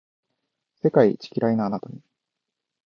世界一キライなあなたに